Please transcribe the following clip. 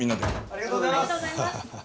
ありがとうございます。